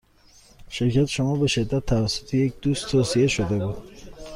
شرکت شما به شدت توسط یک دوست توصیه شده بود.